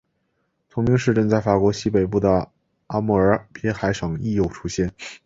同名市镇在法国西北部的阿摩尔滨海省亦有出现。